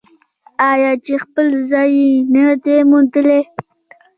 آیا چې خپل ځای یې نه دی موندلی؟